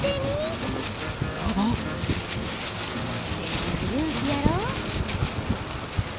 きれいな夕日やろ。